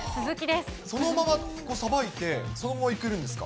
そのままさばいて、そのままいけるんですか。